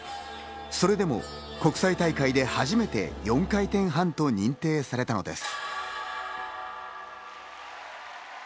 それでも国際大会で初めて４回転半と認定されたのです。